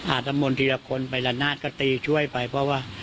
น้ำมนต์ทีละคนไปละนาดก็ตีช่วยไปเพราะว่า